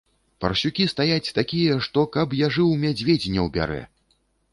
Парсюкі стаяць такія, што, каб я жыў, мядзведзь не ўбярэ.